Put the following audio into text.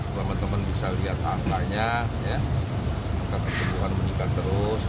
teman teman bisa lihat angkanya angka kesembuhan meningkat terus